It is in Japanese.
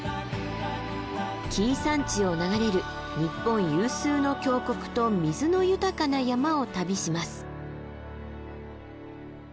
紀伊山地を流れる日本有数の峡谷と水の豊かな山を旅します。